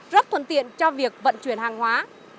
rất thuận tiện cho việc vận chuyển hàng hóa